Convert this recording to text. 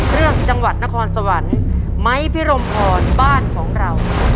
จังหวัดนครสวรรค์ไม้พิรมพรบ้านของเรา